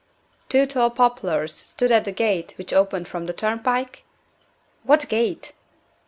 "Two tall poplars stood at the gate which opened from the turnpike?" "What gate?"